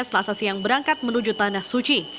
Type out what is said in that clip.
selasa siang berangkat menuju tanah suci